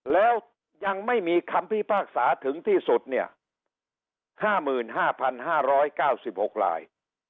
แล้วยังไม่มีคำพิพากษาถึงที่สุดเนี่ย๕๕๙๖ลาย